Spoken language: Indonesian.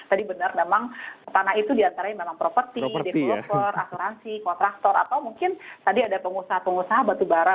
tadi benar memang tanah itu diantaranya memang properti developer asuransi kontraktor atau mungkin tadi ada pengusaha pengusaha batubara